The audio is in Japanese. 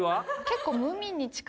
結構。